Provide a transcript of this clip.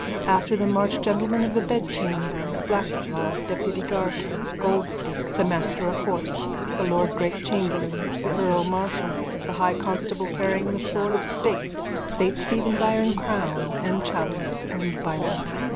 After them march gentlemen of the bedchamber, Black Rod, Deputy Garter, Gold Stick, the master of horse, the lord great chamberlain, the earl marshal, the high constable carrying the sword of state, saint Stephen's iron crown, the chalice and bible.